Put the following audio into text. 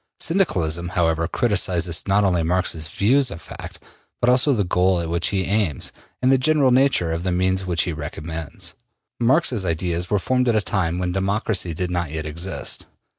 Syndicalism, however, criticises, not only Marx's views of fact, but also the goal at which he aims and the general nature of the means which he recommends. Marx's ideas were formed at a time when democracy did not yet exist.